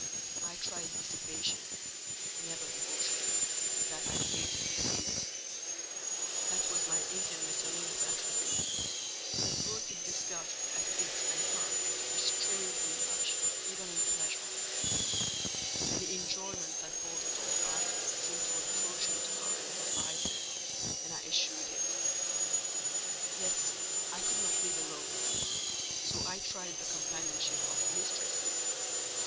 I tried dissipation—never debauchery: that I hated, and hate. That was my Indian Messalina's attribute: rooted disgust at it and her restrained me much, even in pleasure. Any enjoyment that bordered on riot seemed to approach me to her and her vices, and I eschewed it. "Yet I could not live alone; so I tried the companionship of mistresses.